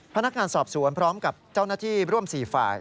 พนักงานสอบสวนพร้อมกับเจ้าหน้าที่ร่วม๔ฝ่าย